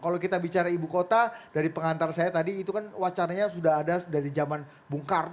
kalau kita bicara ibu kota dari pengantar saya tadi itu kan wacananya sudah ada dari zaman bung karno